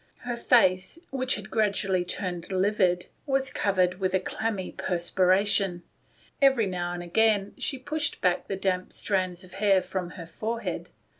Her face, which had gradually turned livid, was covered with a clammy perspiration. Every now and again she pushed back the damp strands of hair from her forehead.